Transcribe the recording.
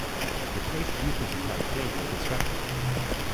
The place used to supply clay for construction.